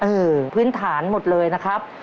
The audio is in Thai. พื้นฐานหมดเลยนะครับ